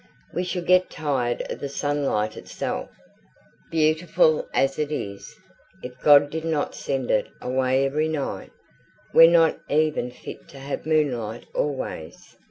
We should get tired of the sunlight itself, beautiful as it is, if God did not send it away every night. We're not even fit to have moonlight always.